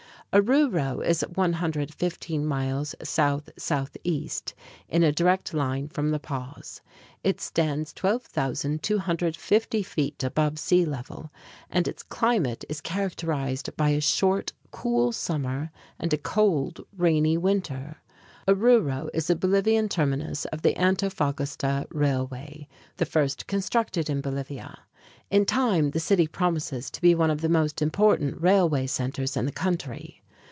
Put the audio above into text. Oruro is 115 miles south southeast in a direct line from La Paz. It stands 12,250 feet above sea level, and its climate is characterized by a short, cool summer and a cold, rainy winter. Oruro is the Bolivian terminus of the Antofagasta (ahn toe fah gahs´ tah) Railway, the first constructed in Bolivia. In time the city promises to be one of the most important railway centers in the country.